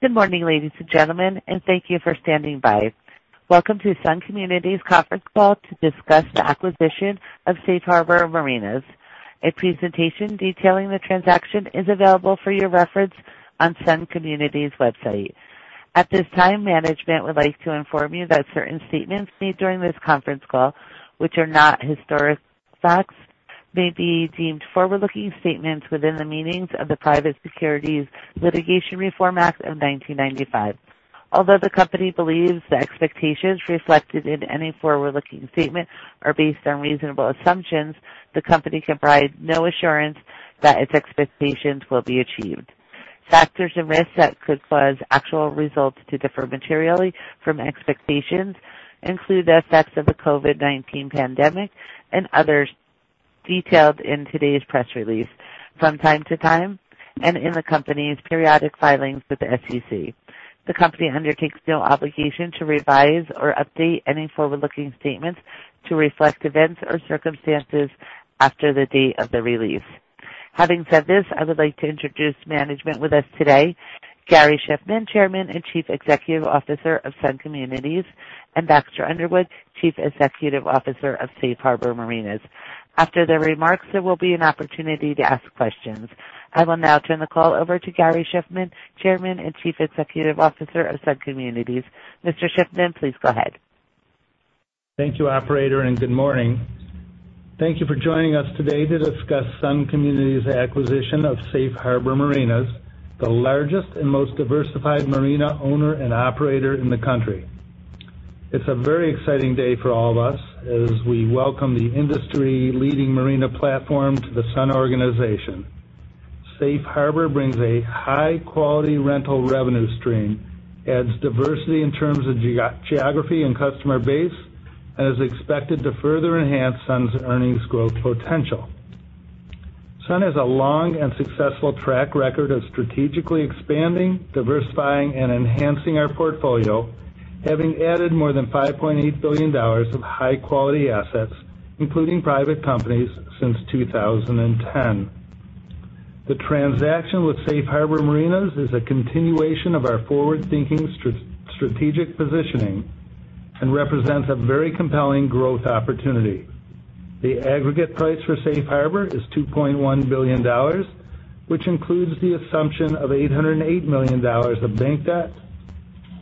Good morning, ladies and gentlemen, and thank you for standing by. Welcome to Sun Communities conference call to discuss the acquisition of Safe Harbor Marinas. A presentation detailing the transaction is available for your reference on Sun Communities website. At this time, management would like to inform you that certain statements made during this conference call, which are not historic facts, may be deemed forward-looking statements within the meanings of the Private Securities Litigation Reform Act of 1995. Although the company believes the expectations reflected in any forward-looking statement are based on reasonable assumptions, the company can provide no assurance that its expectations will be achieved. Factors and risks that could cause actual results to differ materially from expectations include the effects of the COVID-19 pandemic and others detailed in today's press release from time to time and in the company's periodic filings with the SEC. The company undertakes no obligation to revise or update any forward-looking statements to reflect events or circumstances after the date of the release. Having said this, I would like to introduce management with us today, Gary Shiffman, Chairman and Chief Executive Officer of Sun Communities, and Baxter Underwood, Chief Executive Officer of Safe Harbor Marinas. After their remarks, there will be an opportunity to ask questions. I will now turn the call over to Gary Shiffman, Chairman and Chief Executive Officer of Sun Communities. Mr. Shiffman, please go ahead. Thank you, operator. Good morning. Thank you for joining us today to discuss Sun Communities' acquisition of Safe Harbor Marinas, the largest and most diversified marina owner and operator in the country. It's a very exciting day for all of us as we welcome the industry-leading marina platform to the Sun organization. Safe Harbor brings a high-quality rental revenue stream, adds diversity in terms of geography and customer base, and is expected to further enhance Sun's earnings growth potential. Sun has a long and successful track record of strategically expanding, diversifying, and enhancing our portfolio, having added more than $5.8 billion of high-quality assets, including private companies, since 2010. The transaction with Safe Harbor Marinas is a continuation of our forward-thinking strategic positioning and represents a very compelling growth opportunity. The aggregate price for Safe Harbor is $2.1 billion, which includes the assumption of $808 million of bank debt,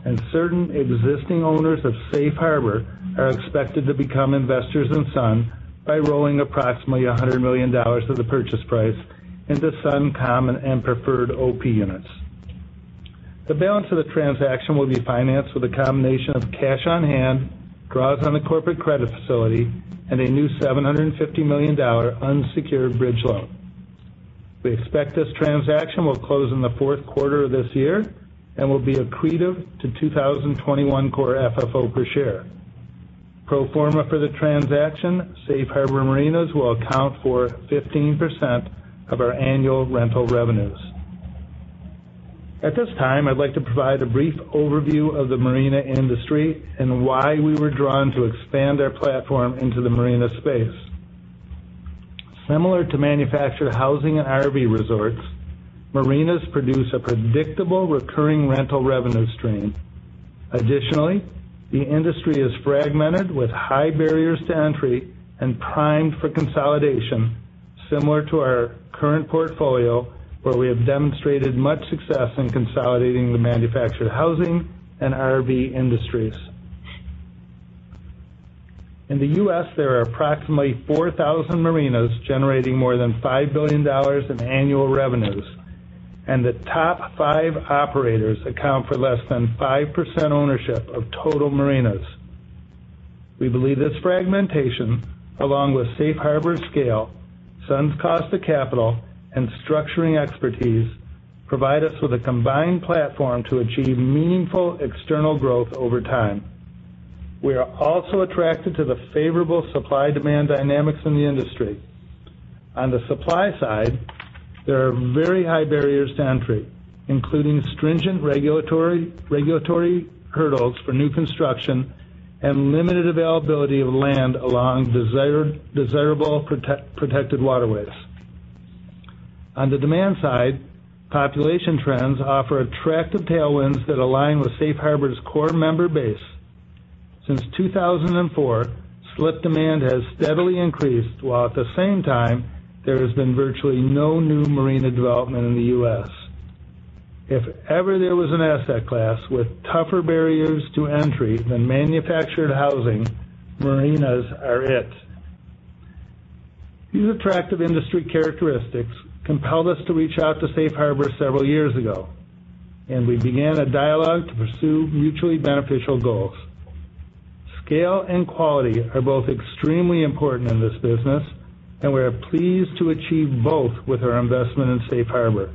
and certain existing owners of Safe Harbor are expected to become investors in Sun by rolling approximately $100 million of the purchase price into Sun common and preferred OP units. The balance of the transaction will be financed with a combination of cash on hand, draws on the corporate credit facility, and a new $750 million unsecured bridge loan. We expect this transaction will close in the fourth quarter of this year and will be accretive to 2021 core FFO per share. Pro forma for the transaction, Safe Harbor Marinas will account for 15% of our annual rental revenues. At this time, I'd like to provide a brief overview of the marina industry and why we were drawn to expand our platform into the marina space. Similar to manufactured housing and RV resorts, marinas produce a predictable recurring rental revenue stream. Additionally, the industry is fragmented with high barriers to entry and primed for consolidation, similar to our current portfolio, where we have demonstrated much success in consolidating the manufactured housing and RV industries. In the U.S., there are approximately 4,000 marinas generating more than $5 billion in annual revenues, and the top five operators account for less than 5% ownership of total marinas. We believe this fragmentation, along with Safe Harbor's scale, Sun's cost of capital, and structuring expertise, provide us with a combined platform to achieve meaningful external growth over time. We are also attracted to the favorable supply-demand dynamics in the industry. On the supply side, there are very high barriers to entry, including stringent regulatory hurdles for new construction and limited availability of land along desirable protected waterways. On the demand side, population trends offer attractive tailwinds that align with Safe Harbor's core member base. Since 2004, slip demand has steadily increased, while at the same time, there has been virtually no new marina development in the U.S. If ever there was an asset class with tougher barriers to entry than manufactured housing, marinas are it. These attractive industry characteristics compelled us to reach out to Safe Harbor several years ago, and we began a dialogue to pursue mutually beneficial goals. Scale and quality are both extremely important in this business, and we are pleased to achieve both with our investment in Safe Harbor.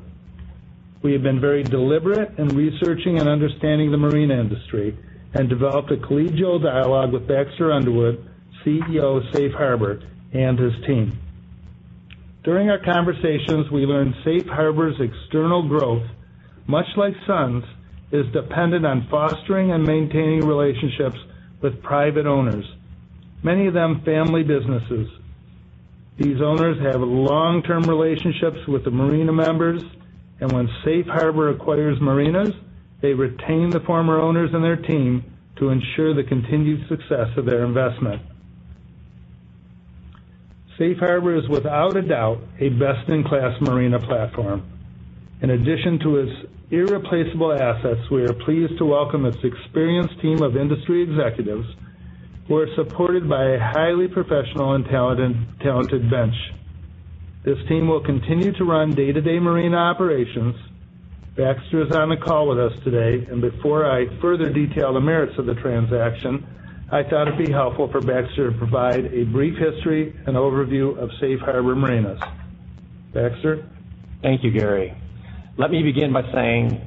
We have been very deliberate in researching and understanding the marina industry and developed a collegial dialogue with Baxter Underwood, CEO of Safe Harbor, and his team. During our conversations, we learned Safe Harbor's external growth, much like Sun's, is dependent on fostering and maintaining relationships with private owners, many of them family businesses. These owners have long-term relationships with the marina members, and when Safe Harbor acquires marinas, they retain the former owners and their team to ensure the continued success of their investment. Safe Harbor is, without a doubt, a best-in-class marina platform. In addition to its irreplaceable assets, we are pleased to welcome its experienced team of industry executives who are supported by a highly professional and talented bench. This team will continue to run day-to-day marina operations. Baxter is on the call with us today, and before I further detail the merits of the transaction, I thought it'd be helpful for Baxter to provide a brief history and overview of Safe Harbor Marinas. Baxter? Thank you, Gary. Let me begin by saying,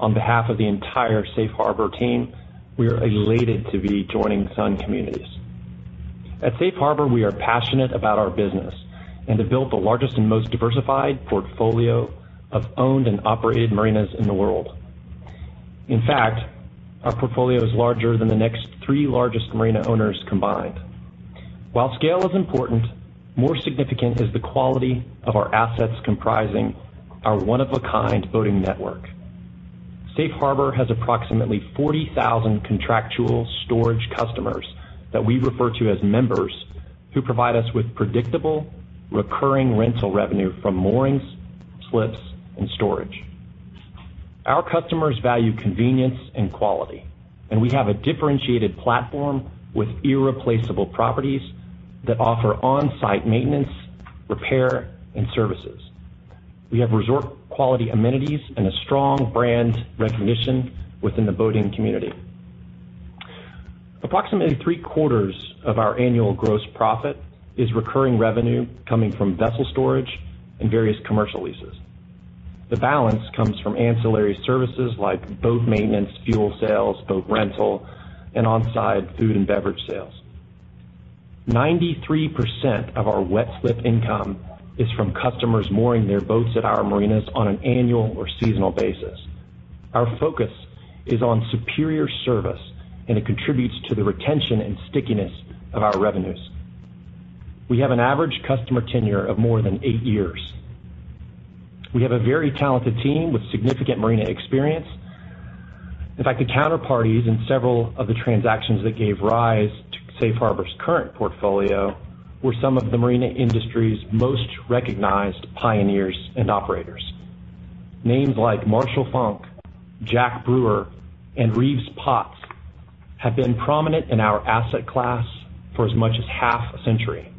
on behalf of the entire Safe Harbor team, we are elated to be joining Sun Communities. At Safe Harbor, we are passionate about our business and have built the largest and most diversified portfolio of owned and operated marinas in the world. In fact, our portfolio is larger than the next three largest marina owners combined. While scale is important, more significant is the quality of our assets comprising our one-of-a-kind boating network. Safe Harbor has approximately 40,000 contractual storage customers that we refer to as members, who provide us with predictable, recurring rental revenue from moorings, slips, and storage. Our customers value convenience and quality, and we have a differentiated platform with irreplaceable properties that offer on-site maintenance, repair, and services. We have resort-quality amenities and a strong brand recognition within the boating community. Approximately three-quarters of our annual gross profit is recurring revenue coming from vessel storage and various commercial leases. The balance comes from ancillary services like boat maintenance, fuel sales, boat rental, and on-site food and beverage sales. 93% of our wet slip income is from customers mooring their boats at our marinas on an annual or seasonal basis. Our focus is on superior service, and it contributes to the retention and stickiness of our revenues. We have an average customer tenure of more than eight years. We have a very talented team with significant marina experience. In fact, the counterparties in several of the transactions that gave rise to Safe Harbor's current portfolio were some of the marina industry's most recognized pioneers and operators. Names like Marshall Funk, Jack Brewer, and Rives Potts have been prominent in our asset class for as much as half a century,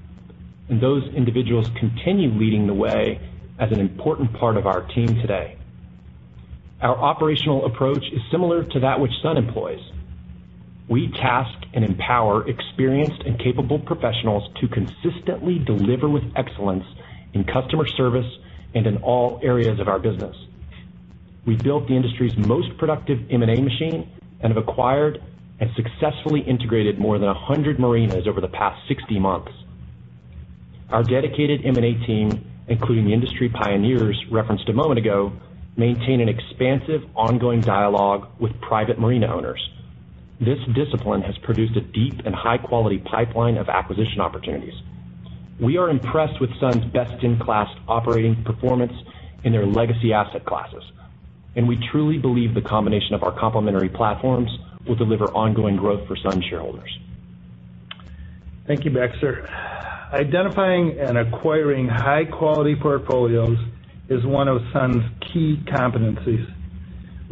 and those individuals continue leading the way as an important part of our team today. Our operational approach is similar to that which Sun employs. We task and empower experienced and capable professionals to consistently deliver with excellence in customer service and in all areas of our business. We built the industry's most productive M&A machine and have acquired and successfully integrated more than 100 marinas over the past 60 months. Our dedicated M&A team, including the industry pioneers referenced a moment ago, maintain an expansive, ongoing dialogue with private marina owners. This discipline has produced a deep and high-quality pipeline of acquisition opportunities. We are impressed with Sun's best-in-class operating performance in their legacy asset classes, and we truly believe the combination of our complementary platforms will deliver ongoing growth for Sun shareholders. Thank you, Baxter. Identifying and acquiring high-quality portfolios is one of Sun's key competencies.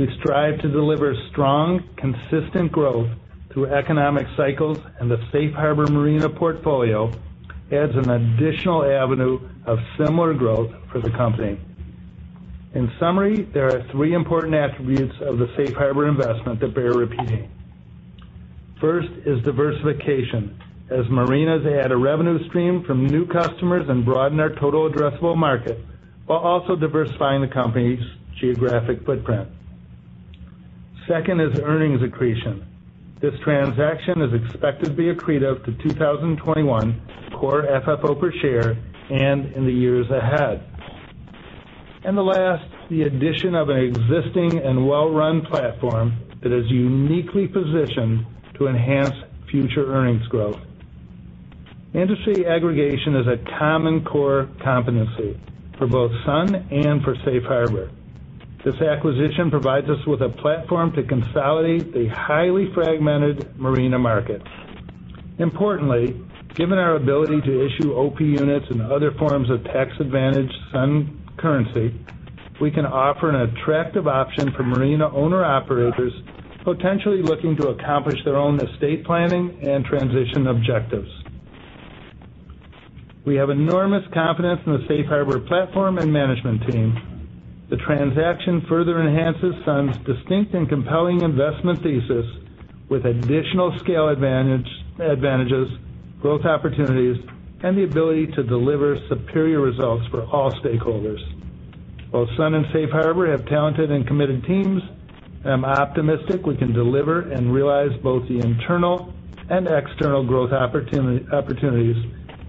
We strive to deliver strong, consistent growth through economic cycles. The Safe Harbor Marinas portfolio adds an additional avenue of similar growth for the company. In summary, there are three important attributes of the Safe Harbor investment that bear repeating. First is diversification, as marinas add a revenue stream from new customers and broaden their total addressable market while also diversifying the company's geographic footprint. Second is earnings accretion. This transaction is expected to be accretive to 2021 core FFO per share and in the years ahead. The last, the addition of an existing and well-run platform that is uniquely positioned to enhance future earnings growth. Industry aggregation is a common core competency for both Sun and for Safe Harbor. This acquisition provides us with a platform to consolidate the highly fragmented marina market. Importantly, given our ability to issue OP units and other forms of tax-advantaged Sun currency, we can offer an attractive option for marina owner-operators potentially looking to accomplish their own estate planning and transition objectives. We have enormous confidence in the Safe Harbor platform and management team. The transaction further enhances Sun's distinct and compelling investment thesis with additional scale advantages, growth opportunities, and the ability to deliver superior results for all stakeholders. Both Sun and Safe Harbor have talented and committed teams. I'm optimistic we can deliver and realize both the internal and external growth opportunities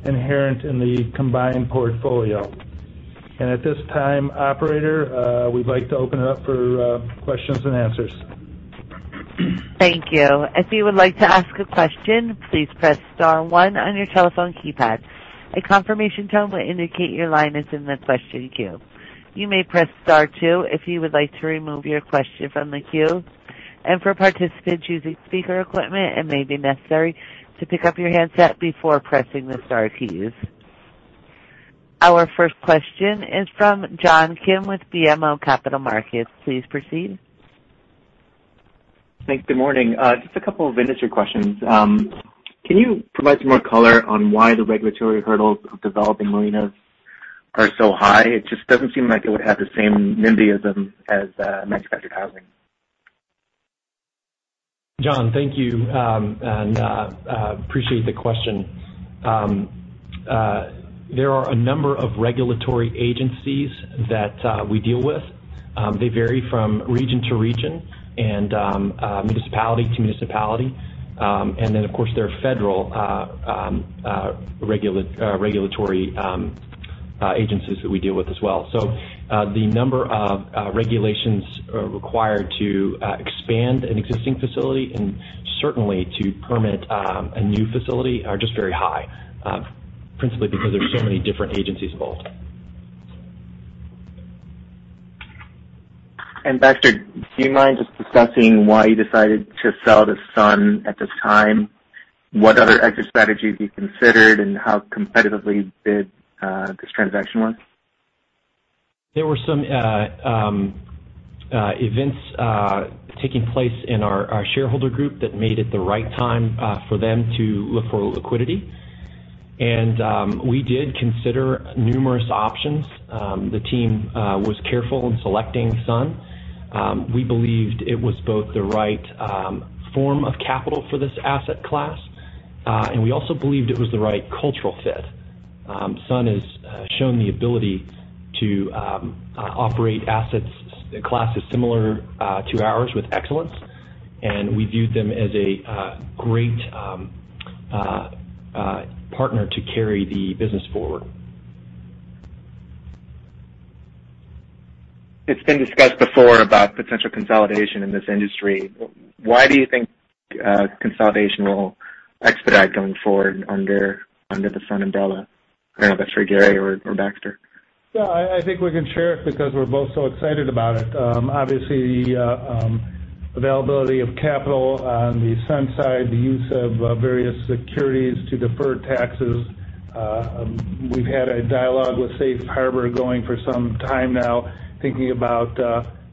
inherent in the combined portfolio. At this time, operator, we'd like to open it up for questions and answers. Thank you. If you would like to ask a question, please press star one on your telephone keypad. A confirmation tone will indicate your line is in the question queue. You may press star two if you would like to remove your question from the queue. For paticipants using speaker equipment, it may be necessary to pick up your handset before pressing the star keys. Our first question is from John Kim with BMO Capital Markets. Please proceed. Thanks. Good morning. Just a couple of industry questions. Can you provide some more color on why the regulatory hurdles of developing marinas are so high? It just doesn't seem like it would have the same nimbyism as manufactured housing. John, thank you, and appreciate the question. There are a number of regulatory agencies that we deal with. They vary from region to region and municipality to municipality. Then, of course, there are federal regulatory agencies that we deal with as well. The number of regulations required to expand an existing facility, and certainly to permit a new facility, are just very high, principally because there are so many different agencies involved. Baxter, do you mind just discussing why you decided to sell to Sun at this time? What other exit strategies you considered, and how competitively bid this transaction was? There were some events taking place in our shareholder group that made it the right time for them to look for liquidity, and we did consider numerous options. The team was careful in selecting Sun. We believed it was both the right form of capital for this asset class, and we also believed it was the right cultural fit. Sun has shown the ability to operate asset classes similar to ours with excellence, and we viewed them as a great partner to carry the business forward. It's been discussed before about potential consolidation in this industry. Why do you think consolidation will expedite going forward under the Sun umbrella? I don't know if that's for Gary or Baxter. Yeah, I think we can share it because we're both so excited about it. Obviously, the availability of capital on the Sun side, the use of various securities to defer taxes. We've had a dialogue with Safe Harbor going for some time now, thinking about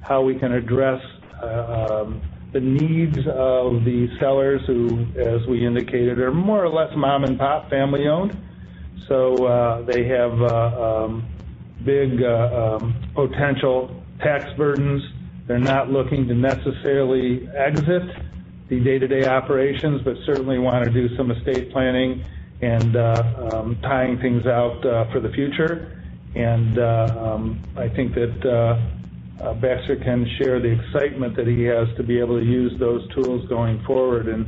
how we can address the needs of the sellers who, as we indicated, are more or less mom-and-pop, family owned. They have big potential tax burdens. They're not looking to necessarily exit the day-to-day operations, but certainly want to do some estate planning and tying things out for the future. I think that Baxter can share the excitement that he has to be able to use those tools going forward and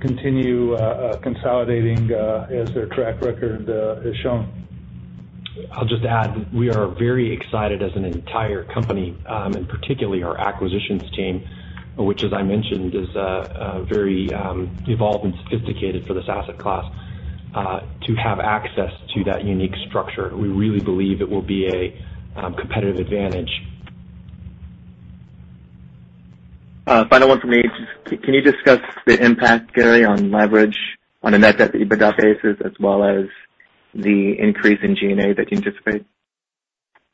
continue consolidating as their track record has shown. I'll just add, we are very excited as an entire company, and particularly our acquisitions team, which as I mentioned, is very evolved and sophisticated for this asset class, to have access to that unique structure. We really believe it will be a competitive advantage. Final one from me. Can you discuss the impact, Gary, on leverage on a net debt to EBITDA basis as well as the increase in G&A that you anticipate?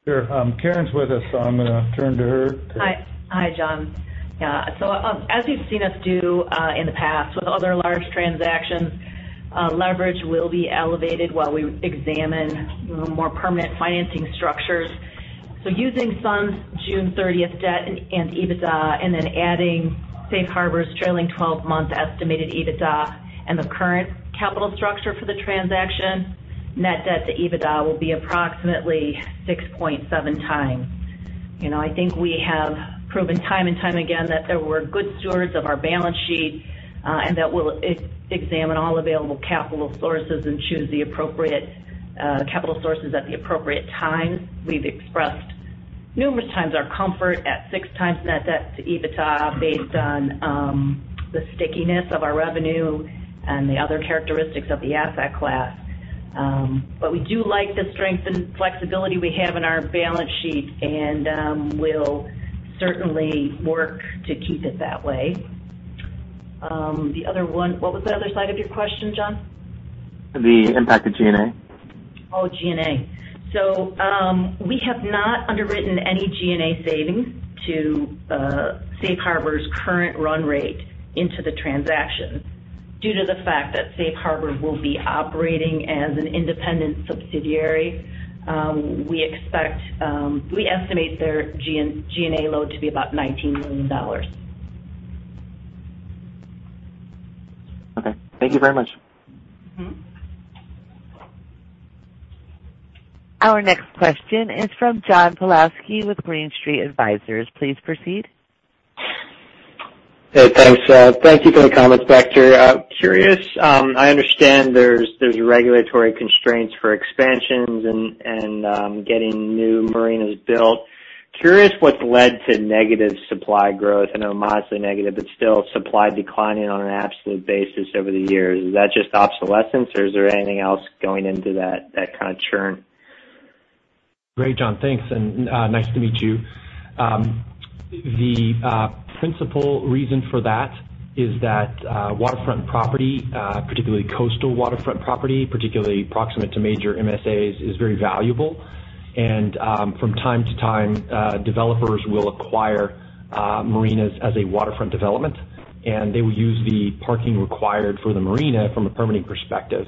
Sure. Karen's with us, so I'm going to turn to her. Hi, John. Yeah. As you've seen us do in the past with other large transactions, leverage will be elevated while we examine more permanent financing structures. Using Sun's June 30th debt and EBITDA, and then adding Safe Harbor's trailing 12-month estimated EBITDA and the current capital structure for the transaction, net debt to EBITDA will be approximately 6.7x. I think we have proven time and time again that we're good stewards of our balance sheet, and that we'll examine all available capital sources and choose the appropriate capital sources at the appropriate time. We've expressed numerous times our comfort at 6x net debt to EBITDA based on the stickiness of our revenue and the other characteristics of the asset class. We do like the strength and flexibility we have in our balance sheet, and we'll certainly work to keep it that way. The other one, what was the other side of your question, John? The impact of G&A. Oh, G&A. We have not underwritten any G&A savings to Safe Harbor's current run rate into the transaction due to the fact that Safe Harbor will be operating as an independent subsidiary. We estimate their G&A load to be about $19 million. Okay. Thank you very much. Our next question is from John Pawlowski with Green Street Advisors. Please proceed. Hey, thanks. Thank you for the comments, Baxter. Curious, I understand there's regulatory constraints for expansions and getting new marinas built. Curious, what's led to negative supply growth? I know modestly negative, but still supply declining on an absolute basis over the years. Is that just obsolescence or is there anything else going into that kind of churn? Great, John. Thanks, and nice to meet you. The principal reason for that is that waterfront property, particularly coastal waterfront property, particularly proximate to major MSAs, is very valuable. From time to time, developers will acquire marinas as a waterfront development, they will use the parking required for the marina from a permitting perspective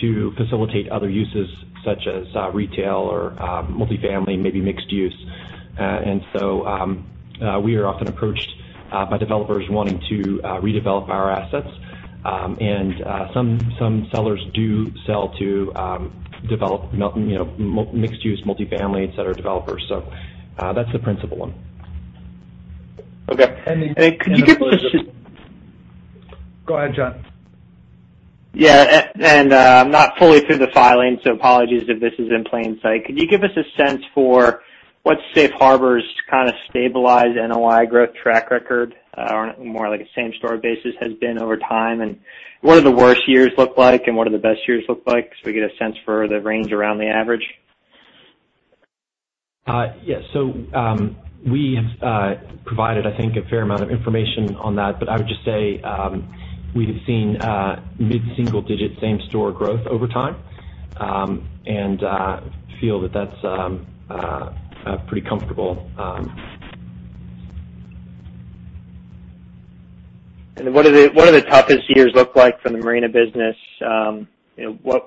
to facilitate other uses such as retail or multifamily, maybe mixed use. We are often approached by developers wanting to redevelop our assets. Some sellers do sell to mixed use, multifamily, et cetera, developers. That's the principal one. Okay. Could you give us? Go ahead, John. Yeah. I'm not fully through the filing, so apologies if this is in plain sight. Could you give us a sense for what Safe Harbor's kind of stabilized NOI growth track record, on more like a same store basis, has been over time, and what do the worst years look like, and what do the best years look like? We get a sense for the range around the average. Yes. We have provided, I think, a fair amount of information on that, but I would just say, we have seen mid-single digit same store growth over time, and feel that that's pretty comfortable. What do the toughest years look like for the marina business? What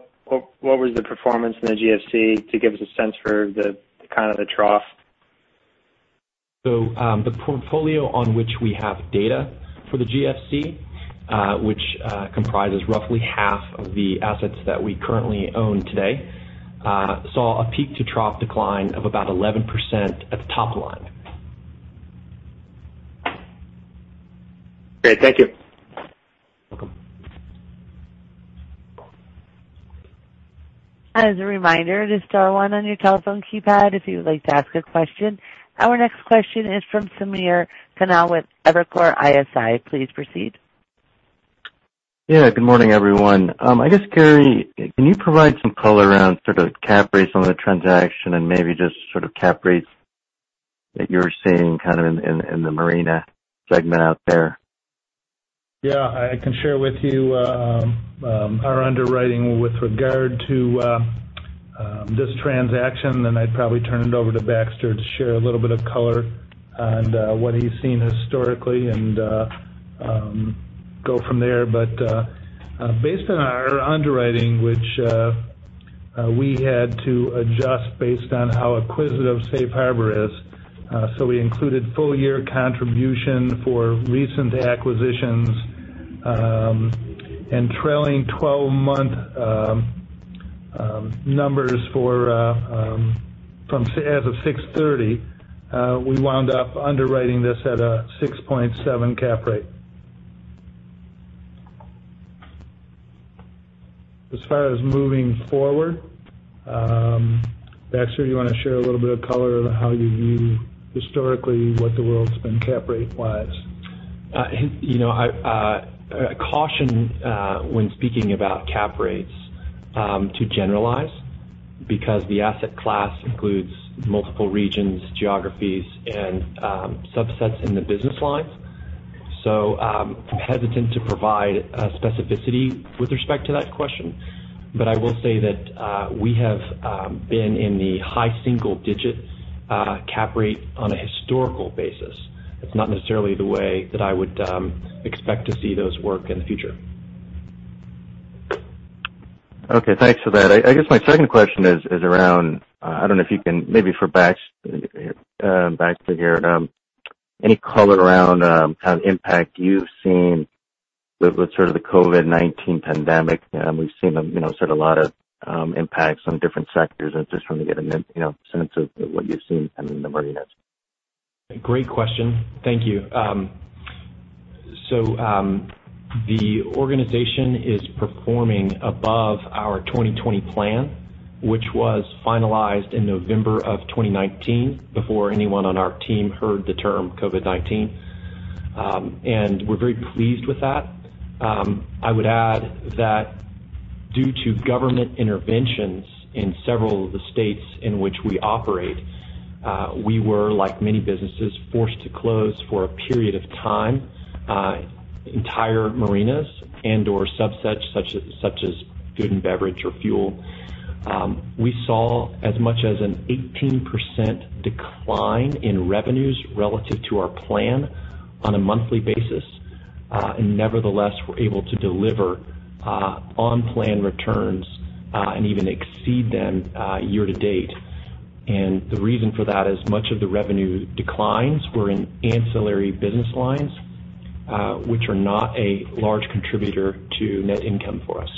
was the performance in the GFC to give us a sense for the kind of the trough? The portfolio on which we have data for the GFC, which comprises roughly half of the assets that we currently own today, saw a peak to trough decline of about 11% at the top line. Great. Thank you. As a reminder to star one on your telephone keypad if you would like to ask a question. Our next question is from Samir Khanal with Evercore ISI. Please proceed. Yeah. Good morning, everyone. I guess, Gary, can you provide some color around sort of cap rates on the transaction and maybe just sort of cap rates that you're seeing kind of in the marina segment out there? Yeah, I can share with you our underwriting with regard to this transaction, then I'd probably turn it over to Baxter to share a little bit of color on what he's seen historically and go from there. Based on our underwriting, which we had to adjust based on how acquisitive Safe Harbor is, so we included full year contribution for recent acquisitions and trailing 12-month numbers as of 6/30. We wound up underwriting this at a 6.7% cap rate. As far as moving forward, Baxter, you want to share a little bit of color on how you view historically what the world's been cap rate wise? I caution when speaking about cap rates to generalize because the asset class includes multiple regions, geographies, and subsets in the business lines. I'm hesitant to provide specificity with respect to that question, but I will say that we have been in the high single-digit cap rate on a historical basis. That's not necessarily the way that I would expect to see those work in the future. Okay, thanks for that. I guess my second question is around, I don't know if you can maybe for Baxter here, any color around kind of impact you've seen with sort of the COVID-19 pandemic? We've seen sort of a lot of impacts on different sectors and just want to get a sense of what you've seen kind of in the marinas. Great question. Thank you. The organization is performing above our 2020 plan, which was finalized in November of 2019 before anyone on our team heard the term COVID-19. We're very pleased with that. I would add that due to government interventions in several of the states in which we operate, we were, like many businesses, forced to close for a period of time, entire marinas and/or subsets such as food and beverage or fuel. We saw as much as an 18% decline in revenues relative to our plan on a monthly basis. Nevertheless, we're able to deliver on plan returns, and even exceed them year to date. The reason for that is much of the revenue declines were in ancillary business lines, which are not a large contributor to net income for us.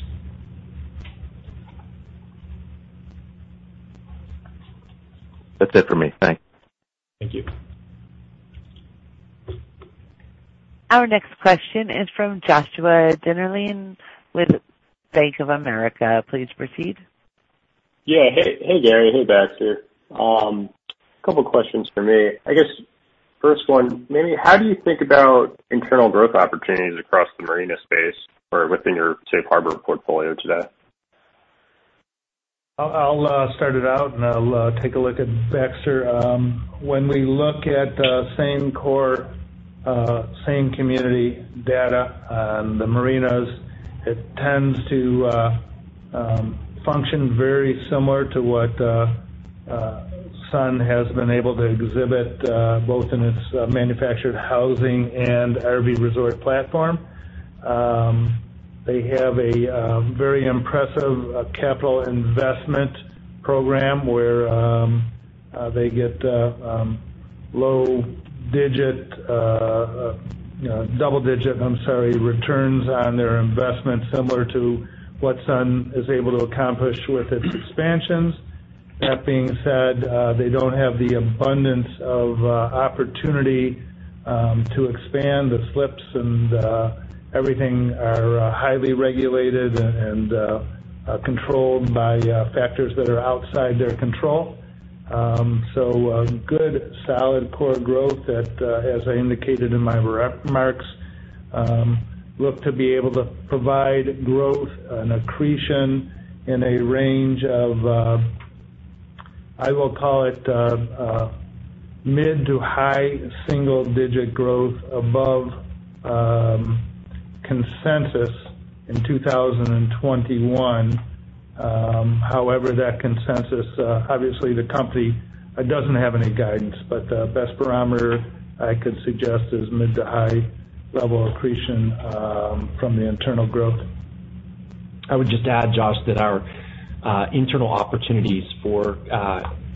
That's it for me. Thanks. Thank you. Our next question is from Joshua Dennerlein with Bank of America. Please proceed. Hey, Gary. Hey, Baxter. A couple questions from me. I guess first one, maybe how do you think about internal growth opportunities across the marina space or within your Safe Harbor portfolio today? I'll start it out and I'll take a look at Baxter. When we look at the same core, same community data on the marinas, it tends to function very similar to what Sun has been able to exhibit, both in its manufactured housing and RV resort platform. They have a very impressive capital investment program where they get double digit returns on their investment similar to what Sun is able to accomplish with its expansions. That being said, they don't have the abundance of opportunity to expand. The slips and everything are highly regulated and controlled by factors that are outside their control. Good, solid core growth that, as I indicated in my remarks, look to be able to provide growth and accretion in a range of, I will call it, mid to high single digit growth above consensus in 2021. That consensus, obviously the company doesn't have any guidance, but the best barometer I could suggest is mid to high level accretion from the internal growth. I would just add, Josh, that our internal opportunities for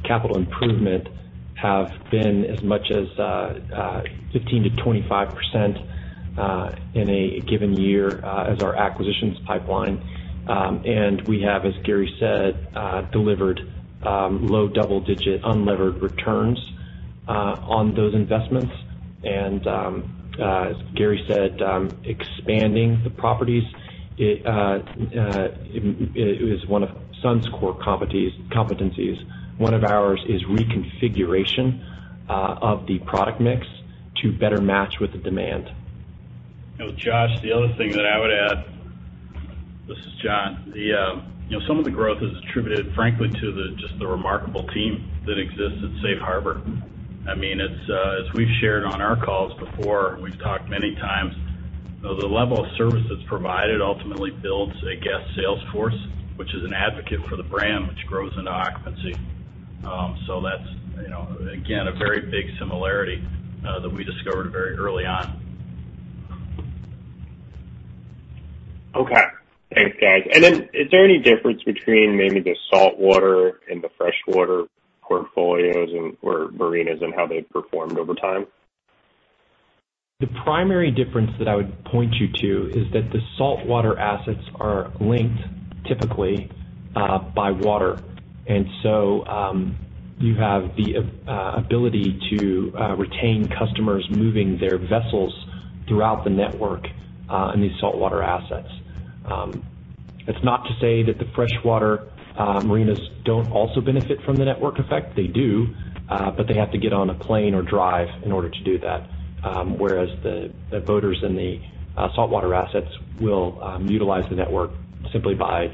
capital improvement have been as much as 15%-25% in a given year as our acquisitions pipeline. We have, as Gary said, delivered low double digit unlevered returns on those investments. As Gary said, expanding the properties is one of Sun's core competencies. One of ours is reconfiguration of the product mix to better match with the demand. Josh, the other thing that I would add, this is John. Some of the growth is attributed, frankly, to just the remarkable team that exists at Safe Harbor. As we've shared on our calls before, and we've talked many times, the level of service that's provided ultimately builds a guest sales force, which is an advocate for the brand, which grows into occupancy. That's, again, a very big similarity that we discovered very early on. Okay. Thanks, guys. Is there any difference between maybe the saltwater and the freshwater portfolios or marinas and how they've performed over time? The primary difference that I would point you to is that the saltwater assets are linked typically by water. You have the ability to retain customers moving their vessels throughout the network in these saltwater assets. It's not to say that the freshwater marinas don't also benefit from the network effect. They do. They have to get on a plane or drive in order to do that, whereas the boaters in the saltwater assets will utilize the network simply by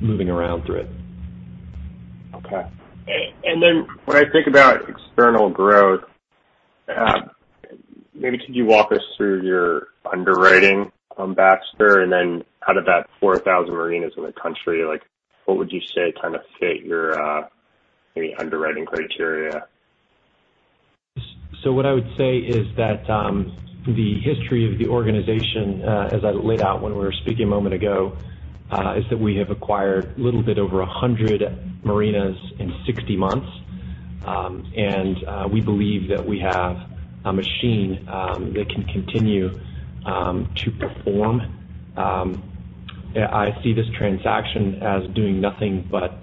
moving around through it. Okay. When I think about external growth, maybe could you walk us through your underwriting, Baxter, and then out of that 4,000 marinas in the country, what would you say kind of fit your maybe underwriting criteria? What I would say is that the history of the organization, as I laid out when we were speaking a moment ago, is that we have acquired a little bit over 100 marinas in 60 months, and we believe that we have a machine that can continue to perform. I see this transaction as doing nothing but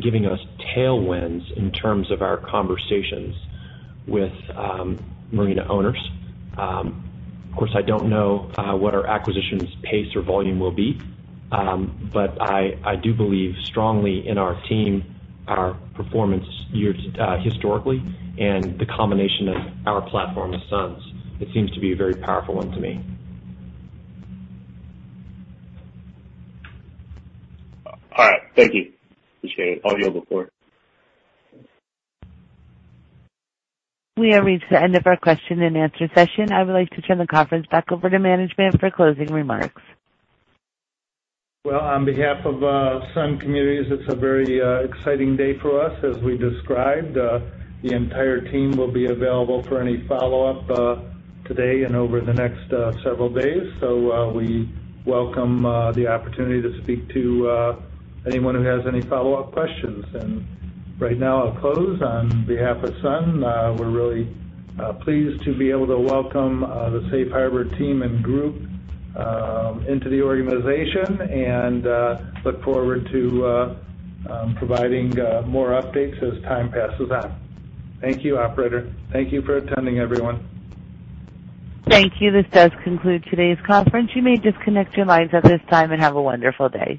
giving us tailwinds in terms of our conversations with marina owners. Of course, I don't know what our acquisitions pace or volume will be. I do believe strongly in our team, our performance historically, and the combination of our platform and Sun's. It seems to be a very powerful one to me. All right. Thank you. Appreciate it. I'll yield the floor. We have reached the end of our question and answer session. I would like to turn the conference back over to management for closing remarks. Well, on behalf of Sun Communities, it's a very exciting day for us, as we described. The entire team will be available for any follow-up today and over the next several days. We welcome the opportunity to speak to anyone who has any follow-up questions. Right now, I'll close. On behalf of Sun, we're really pleased to be able to welcome the Safe Harbor team and group into the organization and look forward to providing more updates as time passes on. Thank you, operator. Thank you for attending, everyone. Thank you. This does conclude today's conference. You may disconnect your lines at this time, and have a wonderful day.